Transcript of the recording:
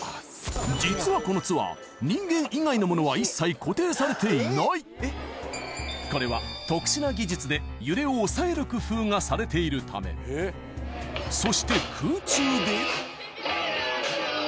実はこのツアーこれは特殊な技術で工夫がされているためそして空中で